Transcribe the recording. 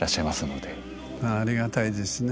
ありがたいですね。